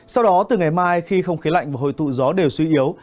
sau đó từ ngày mai khi không khí lạnh và hội tụ gió đều suy yếu